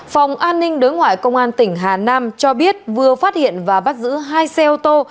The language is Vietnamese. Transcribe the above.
phòng an ninh đối ngoại công an tỉnh hà nam cho biết vừa phát hiện và bắt giữ hai xe ô tô